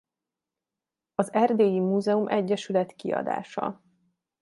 Az Erdélyi Múzeum-Egyesület kiadása.